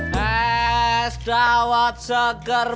mes dawat segetar